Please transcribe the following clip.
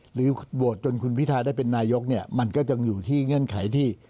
หรือโหวตจนคุณพิทาได้เป็นนายกเนี่ยมันก็ยังอยู่ที่เงื่อนไขที่